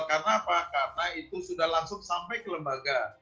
karena apa karena itu sudah langsung sampai ke lembaga